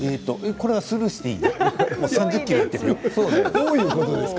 これはスルーしていい？